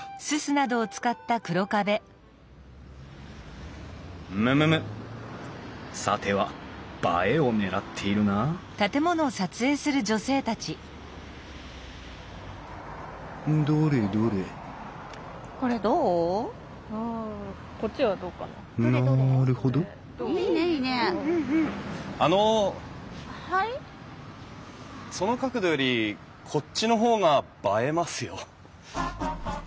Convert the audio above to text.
その角度よりこっちの方が映えますよ。